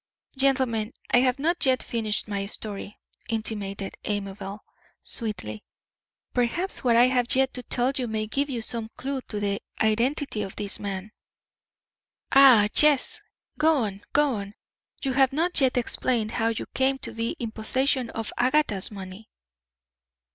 "Gentlemen, I have not yet finished my story," intimated Amabel, sweetly. "Perhaps what I have yet to tell may give you some clew to the identity of this man." "Ah, yes; go on, go on. You have not yet explained how you came to be in possession of Agatha's money."